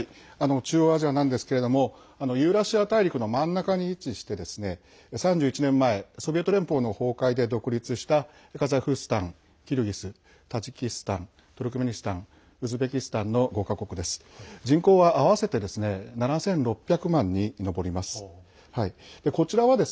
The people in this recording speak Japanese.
中央アジアなんですけれどもユーラシア大陸の真ん中に位置して３１年前ソビエト連邦の崩壊で独立したカザフスタン、キルギスタジキスタン、トルクメニスタンウズベキスタンの５か国です。